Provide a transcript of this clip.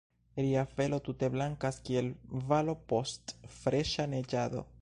Ria felo tute blankas, kiel valo post freŝa neĝado.